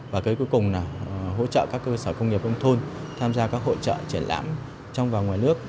và cái cuối cùng là hỗ trợ các cơ sở công nghiệp nông thôn tham gia các hỗ trợ triển lãm trong và ngoài nước